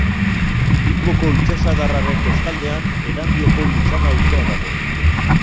Bilboko itsasadarraren bestaldean Erandioko Lutxana auzoa dago.